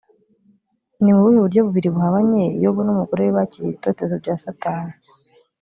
ni mu buhe buryo bubiri buhabanye yobu n’umugore we bakiriye ibitotezo bya satani